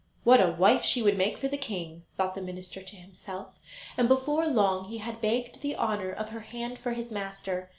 "What a wife she would make for the king," thought the minister to himself, and before long he had begged the honour of her hand for his master.